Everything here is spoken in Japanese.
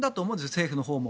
政府のほうも。